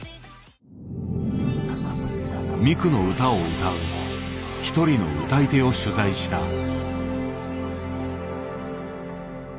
ミクの歌を歌う一人の歌い手を取材した。